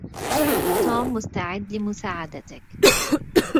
توم مستعد لمساعدتك.